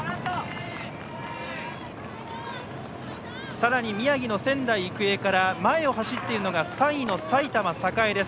さらに、宮城の仙台育英から前を走っているのが３位の埼玉栄です。